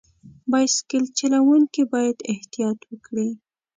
بایسکل چلوونکي باید احتیاط وکړي.